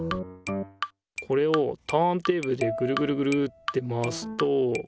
これをターンテーブルでグルグルグルって回すと。